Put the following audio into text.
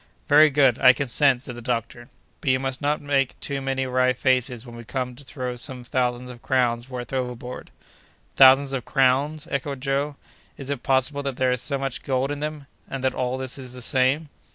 "Very good! I consent," said the doctor, "but you must not make too many wry faces when we come to throw some thousands of crowns' worth overboard." "Thousands of crowns!" echoed Joe; "is it possible that there is so much gold in them, and that all this is the same?"